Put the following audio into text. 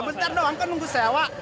bentar doang kan nunggu sewa